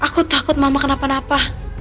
aku takut mama kenapa napa